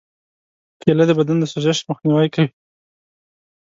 کېله د بدن د سوزش مخنیوی کوي.